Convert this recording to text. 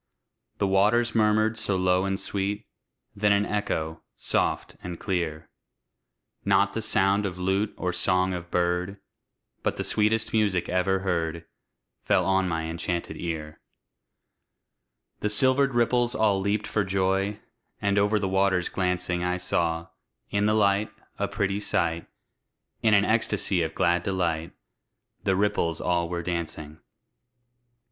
The waters murmured so low and sweet, Then an echo, soft and clear, Not the sound of lute or song of bird, But the sweetest music ever heard, Fell on my enchanted ear. The silvered ripples all leaped for joy! And over the waters glancing I saw, in the light, a pretty sight; In an ecstasy of glad delight, The ripples all were dancing.